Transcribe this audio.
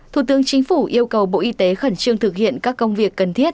thủ tướng chính phủ yêu cầu bộ y tế khẩn trương thực hiện các công việc cần thiết